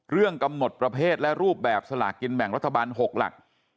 เรื่องกำหนดประเภทและรูปแบบสลากกินแบ่งรัฐบาล๖หลัก